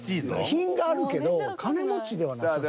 品があるけど金持ちではなさそう。